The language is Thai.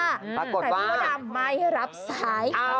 แต่พี่มดดำไม่รับสาย